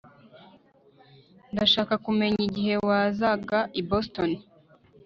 Ndashaka kumenya igihe wazaga i Boston